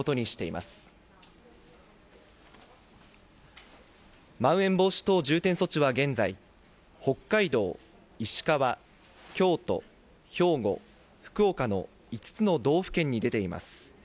まん延防止等重点措置は現在、北海道、石川、京都、兵庫、福岡の５つの道府県に出ています。